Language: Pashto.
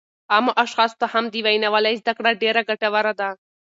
عامو اشخاصو ته هم د وینا والۍ زده کړه ډېره ګټوره ده